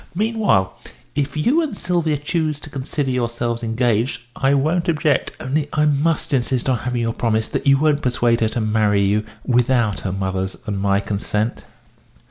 Meanwhile, if you and Sylvia choose to consider yourselves engaged, I won't object only I must insist on having your promise that you won't persuade her to marry you without her mother's and my consent."